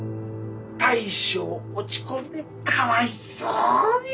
大将落ち込んでかわいそうに。